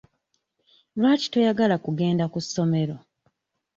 Lwaki toyagala kugenda ku ssomero?